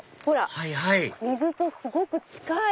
はいはい水とすごく近い。